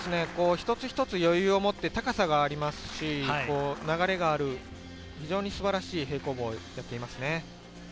一つ一つ余裕をもって高さがありますし、流れがある非常に素晴らしい平行棒をやっていますね。